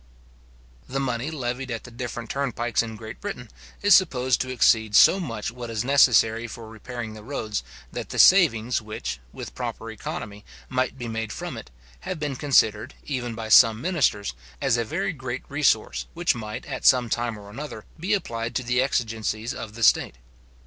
The money levied at the different turnpikes in Great Britain, is supposed to exceed so much what is necessary for repairing the roads, that the savings which, with proper economy, might be made from it, have been considered, even by some ministers, as a very great resource, which might, at some time or another, be applied to the exigencies of the state.